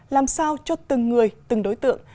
làm sao cho từng người từng đối tượng